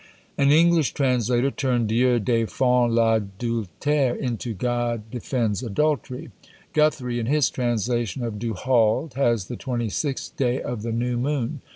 An English translator turned "Dieu défend l'adultère" into "God defends adultery." Guthrie, in his translation of Du Halde, has "the twenty sixth day of the new moon."